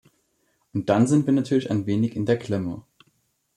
Und dann sind wir natürlich ein wenig in der Klemme.